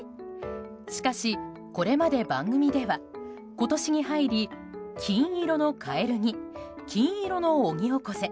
しかし、これまで番組では今年に入り金色のカエルに金色のオニオコゼ。